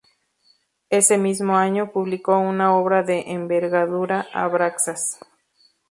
Ese mismo año publicó una obra de envergadura, "Abraxas".